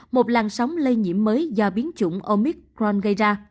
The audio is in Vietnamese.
một làn sóng lây nhiễm mới do biến chủng